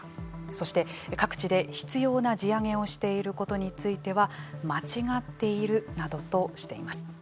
そして、各地で執ような地上げをしていることについては間違っているなどとしています。